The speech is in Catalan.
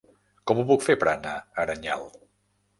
Com ho puc fer per anar a Aranyel?